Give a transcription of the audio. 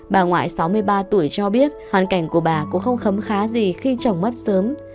bà ngoại sáu mươi ba tuổi cho biết hoàn cảnh của bà cũng không khấm khá gì khi chồng mất sớm